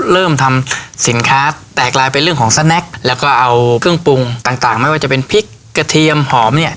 ทอดพริกคั่วอ่าแล้วผลตอบรับดีไหมครับดีครับดีครับดีครับ